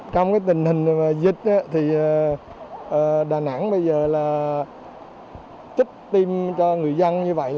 trong tình hình dịch đà nẵng bây giờ trích tiêm cho người dân như vậy